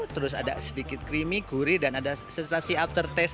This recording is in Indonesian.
terus ada sedikit creamy gurih dan ada sensasi aftertaste